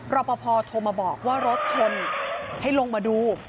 รอปภโทรมาบอกว่ารถชนให้ลงมาดู